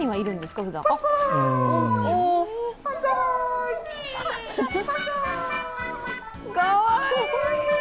かわいい。